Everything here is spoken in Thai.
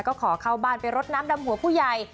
ก็ขอเข้าบ้านไปรดน้ำดำหัวผู้ใหญ่